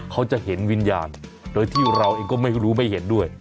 เขาจะเห็นวิญญาณโดยที่เราเองก็ไม่รู้ไม่เห็นด้วย